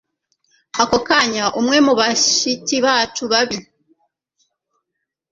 ako kanya, umwe mu bashiki bacu babi